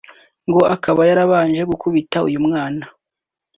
ngo akaba yarabanje gukubita uyu mwana